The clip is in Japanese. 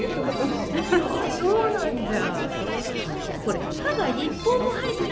そうなんじゃ。